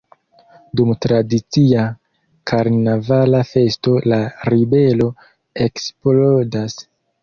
Dum tradicia karnavala festo la ribelo eksplodas.